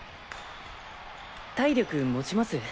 体力もちます？